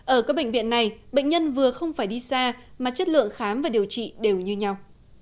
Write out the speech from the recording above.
ở các bệnh viện này bệnh nhân vừa không phải đi xa mà chất lượng khám và điều trị đều như nhau